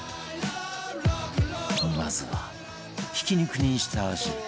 まずはひき肉に下味